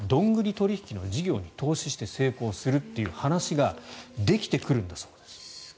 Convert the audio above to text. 取引の事業に投資して成功するという話ができてくるんだそうです。